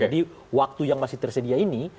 jadi waktu yang masih tersedia ini